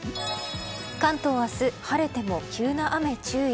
関東は明日晴れても急な雨注意。